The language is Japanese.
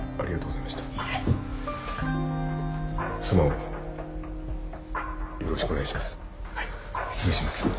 妻をよろしくお願いします。